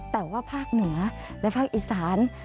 แต่ว่าภาคเหนือและภาคอีสาน